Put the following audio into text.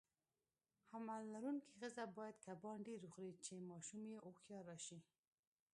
حمل لرونکي خزه باید کبان ډیر وخوري، چی ماشوم یی هوښیار راشي.